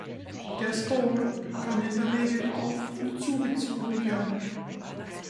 Der Store kann in der Regel auf- und zugezogen werden.